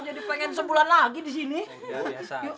jadi pengen sebulan lagi disini